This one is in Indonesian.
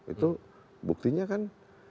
itu buktinya kan